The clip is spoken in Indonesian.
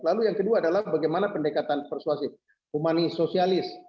lalu yang kedua adalah bagaimana pendekatan persuasif humanis sosialis